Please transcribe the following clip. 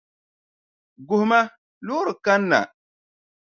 Guhima, loori kanna.